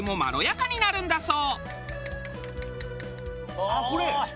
あっこれ？